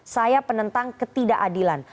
saya penentang ketidakadilan